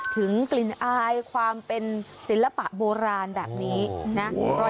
ถึงกลิ่นอายความเป็นศิลปะโบราณแบบนี้นะ